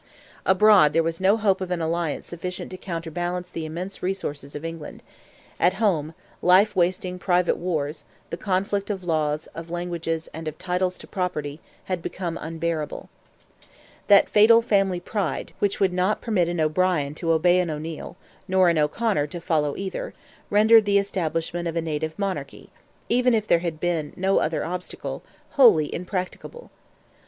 Abroad there was no hope of an alliance sufficient to counterbalance the immense resources of England; at home life wasting private wars, the conflict of laws, of languages, and of titles to property, had become unbearable. That fatal family pride, which would not permit an O'Brien to obey an O'Neil, nor an O'Conor to follow either, rendered the establishment of a native monarchy—even if there had been no other obstacle—wholly impracticable.